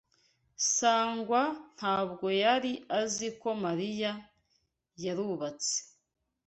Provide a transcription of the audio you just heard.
Sangwa ntabwo yari azi ko Mariya yarubatse.